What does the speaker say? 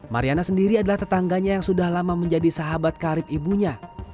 mariana sendiri adalah tetangganya yang sudah lama menjadi sahabat karib ibunya